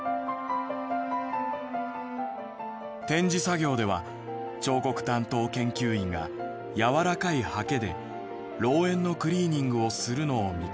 「展示作業では彫刻担当研究員がやわらかいはけで『老猿』のクリーニングをするのを見かけます。